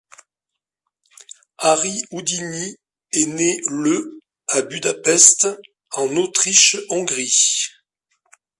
Harry Houdini est né le à Budapest, en Autriche-Hongrie.